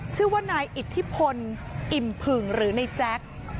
ชื่อว่านายอิทธิพลอิ่มผึ่งหรือในแจ๊ค